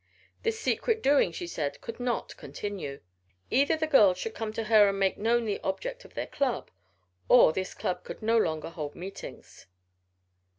This secret doing, she said, could not continue. Either the girls should come to her and make known the object of their club, or this club could no longer hold meetings.